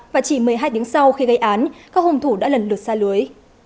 và chỉ một mươi hai tiếng sau khi gây án các hung thủ đã lần lượt xa lưới